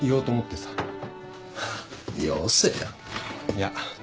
いや。